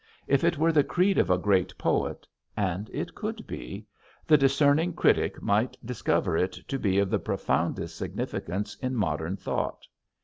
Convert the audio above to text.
If it were the creed of a great poet and it could be the discerning critic might discover it to be of the profoundest significance in modern thought.